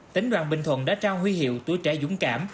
tỉnh đoàn bình thuận đã trao huy hiệu tuổi trẻ dũng cảm